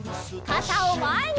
かたをまえに！